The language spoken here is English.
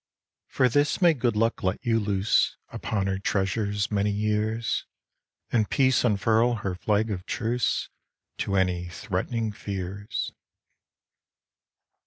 For this may Good Luck let you loose Upon her treasures many years, And Peace unfurl her flag of truce To any threat'ning fears.